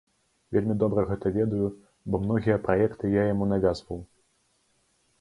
Вельмі добра гэта ведаю, бо многія праекты я яму навязваў.